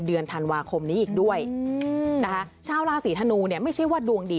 เดือนธันวาคมนี้อีกด้วยนะคะชาวราศีธนูเนี่ยไม่ใช่ว่าดวงดี